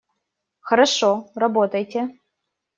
Хорошо. Работайте!